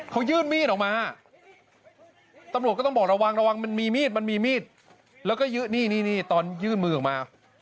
ตอนยื่นมีดออกมาตำรวจก็ต้องบอกระวังมันมีมีดตอนยื่นมือออกมา